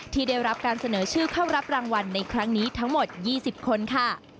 ที่ได้รับการเสนอชื่อเข้ารับรางวัลในครั้งนี้ทั้งหมด๒๐คนค่ะ